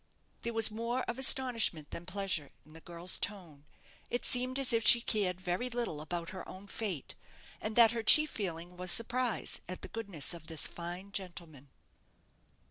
There was more of astonishment than pleasure in the girl's tone. It seemed as if she cared very little about her own fate, and that her chief feeling was surprise at the goodness of this fine gentleman.